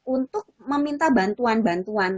untuk meminta bantuan bantuan